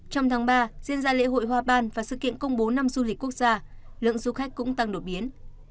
trong tháng ba diễn ra lễ hội hoa ban và sự kiện công bố năm du lịch quốc gia lượng du khách cũng tăng đột biến